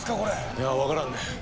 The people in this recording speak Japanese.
いや分からんね。